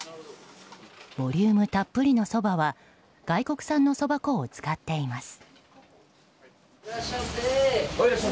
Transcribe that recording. ボリュームたっぷりのそばは外国産のそば粉を使っています。